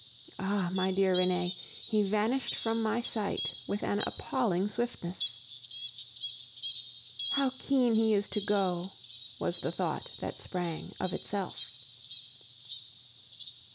Ah! my dear Renee, he vanished from my sight with an appalling swiftness. "How keen he is to go!" was the thought that sprang of itself.